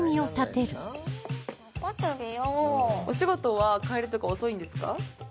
お仕事は帰りとか遅いんですか？